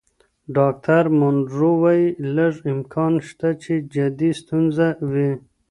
ډاکټر مونرو وايي، لږ امکان شته چې جدي ستونزه وي.